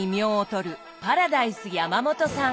パラダイス山元さん。